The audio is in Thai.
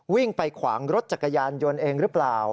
วิ่งไปขวางรถจักรยานยนต์เองหรือเปล่า